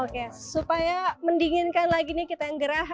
oke supaya mendinginkan lagi nih kita yang gerah